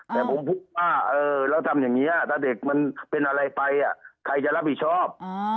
แต่ผมพูดว่าเราทำอย่างนี้ถ้าเด็กมันเป็นอะไรไปใครจะรับผิดชอบ